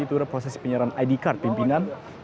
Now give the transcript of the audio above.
itu adalah proses penyiaran id card pimpinan